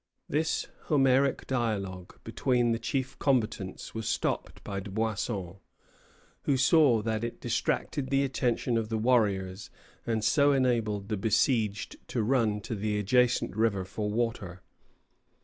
This Homeric dialogue between the chief combatants was stopped by Dubuisson, who saw that it distracted the attention of the warriors, and so enabled the besieged to run to the adjacent river for water.